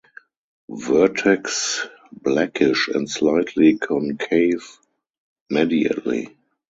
Vertex blackish and slightly concave medially.